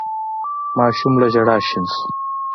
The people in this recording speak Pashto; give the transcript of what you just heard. ماشوم له ژړا شين شو.